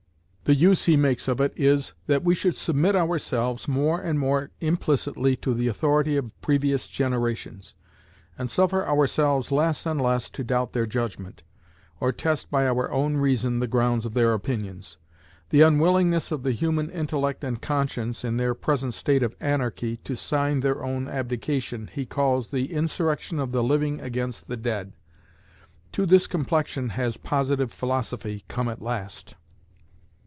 The use he makes of it is, that we should submit ourselves more and more implicitly to the authority of previous generations, and suffer ourselves less and less to doubt their judgment, or test by our own reason the grounds of their opinions. The unwillingness of the human intellect and conscience, in their present state of "anarchy," to sign their own abdication, lie calls "the insurrection of the living against the dead." To this complexion has Positive Philosophy come at last!